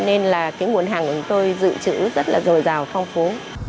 nguồn hàng của chúng tôi dự trữ rất là rồi rào phong phố